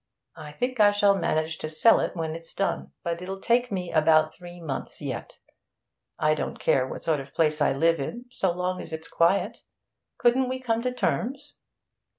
I think I shall manage to sell it when it's done, but it'll take me about three months yet. I don't care what sort of place I live in, so long as it's quiet. Couldn't we come to terms?'